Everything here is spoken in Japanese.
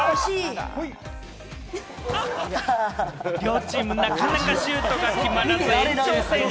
両チーム、なかなかシュートが決まらず、延長戦へ。